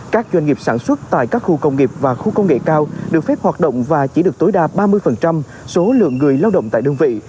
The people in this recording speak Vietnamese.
các doanh nghiệp sản xuất tại các khu công nghiệp và khu công nghệ cao được phép hoạt động và chỉ được tối đa ba mươi số lượng người lao động tại đơn vị